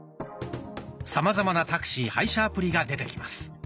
さまざまなタクシー配車アプリが出てきます。